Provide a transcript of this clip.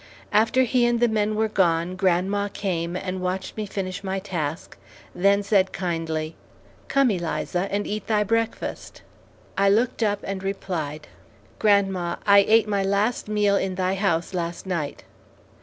After he and the men were gone, grandma came, and watched me finish my task, then said kindly, "Come, Eliza, and eat thy breakfast." I looked up and replied, "Grandma, I ate my last meal in thy house last night.